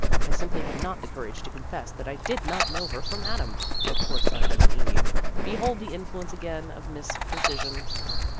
I simply had not the courage to confess that I did not know her from Adam. (Of course, I mean Eve. Behold the influence Danger ! 249 again of Miss Precision.)